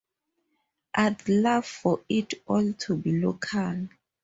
I'd love for it all to be local.